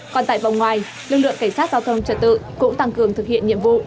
còn tại vòng ngoài lực lượng cảnh sát giao thông trật tự cũng tăng cường thực hiện nhiệm vụ